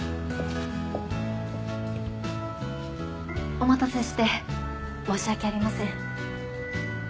お待たせして申し訳ありません。